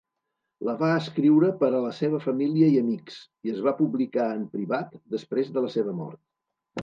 La va escriure per a la seva família i amics, i es va publicar en privat després de la seva mort.